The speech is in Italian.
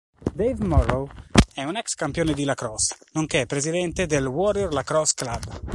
Dave Morrow è un ex campione di Lacrosse, nonché presidente del Warrior Lacrosse Club.